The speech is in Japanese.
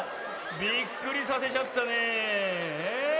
びっくりさせちゃったねえ。